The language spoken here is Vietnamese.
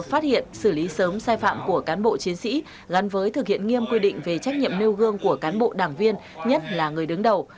phát hiện xử lý sớm sai phạm của cán bộ chiến sĩ gắn với thực hiện nghiêm quy định về trách nhiệm nêu gương của cán bộ đảng viên nhất là người đứng đầu